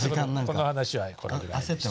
この話はこれぐらいにして。